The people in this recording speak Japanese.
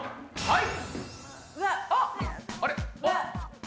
はい。